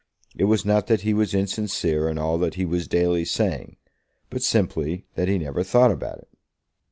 It was not that he was insincere in all that he was daily saying; but simply that he never thought about it.